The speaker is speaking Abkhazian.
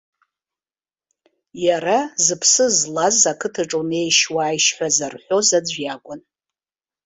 Иара зыԥсы злаз, ақыҭаҿ унеишь-уааишь ҳәа зарҳәоз аӡә иакәын.